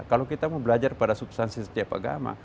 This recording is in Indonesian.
kalau kita mau belajar pada substansi setiap agama